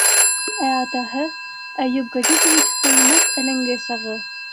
Ә атаһы - Әйүп Ғәзизовичтың нәҡ әлеңге сағы.